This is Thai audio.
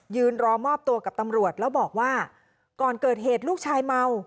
ยืนรอมอบตัวกับตำรวจแล้วบอกว่าก่อนเกิดเหตุลูกชายเมา